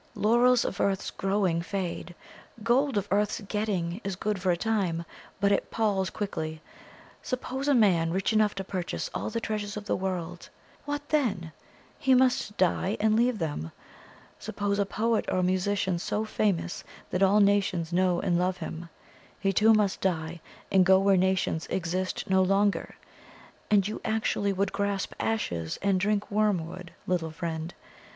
Laurels of earth's growing fade; gold of earth's getting is good for a time, but it palls quickly. Suppose a man rich enough to purchase all the treasures of the world what then? He must die and leave them. Suppose a poet or musician so famous that all nations know and love him: he too must die, and go where nations exist no longer. And you actually would grasp ashes and drink wormwood, little friend?